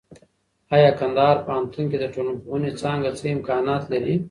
اې کندهار پوهنتون کې د ټولنپوهنې څانګه څه امکانات لري؟